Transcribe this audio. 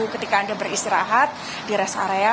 ketika anda beristirahat di rest area